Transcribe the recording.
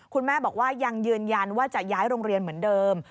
คุณแม่บอกว่ายังยืนยันว่าจะย้ายโรงเรียนเหมือนเดิม